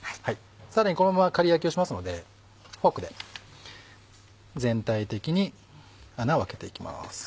さらにこのままから焼きをしますのでフォークで全体的に穴を開けていきます。